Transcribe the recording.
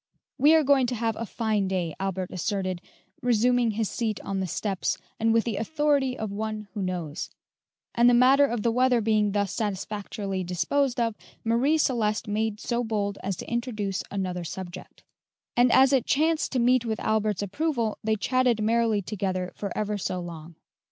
[Illustration: 0070] "We are going to have a fine day," Albert asserted, resuming his seat on the steps, and with the authority of one who knows; and the matter of the weather being thus satisfactorily disposed of, Marie Celeste made so bold as to introduce another subject; and as it chanced to meet with Albert's approval, they chatted merrily together for ever so long.